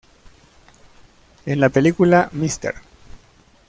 En la película Mr.